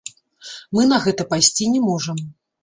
Мы на гэта пайсці не можам.